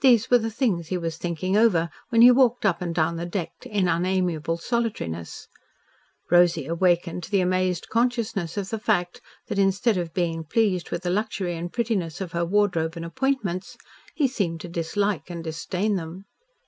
These were the things he was thinking over when he walked up and down the deck in unamiable solitariness. Rosy awakened to the amazed consciousness of the fact that, instead of being pleased with the luxury and prettiness of her wardrobe and appointments, he seemed to dislike and disdain them.